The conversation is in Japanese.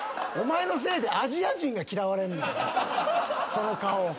その顔。